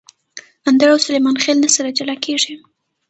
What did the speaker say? اندړ او سلیمان خېل نه سره جلاکیږي